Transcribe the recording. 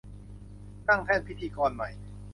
นั่งแท่นพิธีกรใหม่